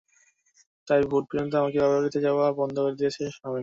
তাই ভোট পর্যন্ত আমাকে বাপের বাড়িতে যাওয়া বন্ধ করে দিয়েছেন স্বামী।